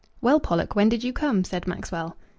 "Well, Pollock, when did you come?" said Maxwell.